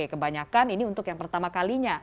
kebanyakan ini untuk yang pertama kalinya